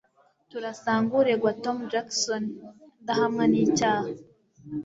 Turasanga uregwa Tom Jackson adahamwa n'icyaha